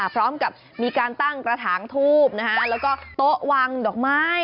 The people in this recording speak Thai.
พร้อมกับมีการตั้งกระถางทูบแล้วก็โต๊ะวางดอกไม้